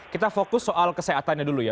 kita fokus soal kesehatannya dulu ya